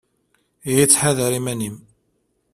Ihi ttḥadar iman-im.